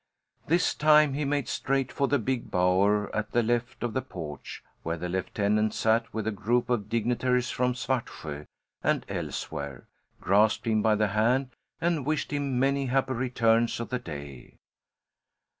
This time he made straight for the big bower at the left of the porch, where the lieutenant sat with a group of dignitaries from Svartsjö and elsewhere, grasped him by the hand, and wished him many happy returns of the day.